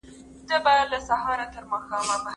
حضوري ټولګي کي همکارۍ بې هڅې سره نه کيږي.